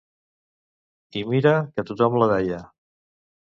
I mira que tothom la deia!